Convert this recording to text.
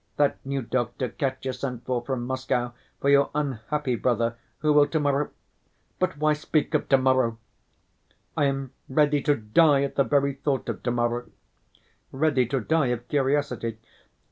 that new doctor Katya sent for from Moscow for your unhappy brother, who will to‐morrow—But why speak of to‐ morrow? I am ready to die at the very thought of to‐morrow. Ready to die of curiosity....